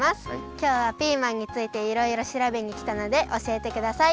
きょうはピーマンについていろいろしらべにきたのでおしえてください。